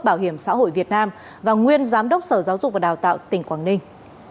bảo hiểm xã hội việt nam và nguyên giám đốc sở giáo dục và đào tạo tỉnh quảng ninh